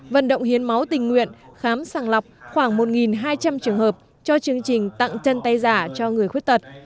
vận động hiến máu tình nguyện khám sàng lọc khoảng một hai trăm linh trường hợp cho chương trình tặng chân tay giả cho người khuyết tật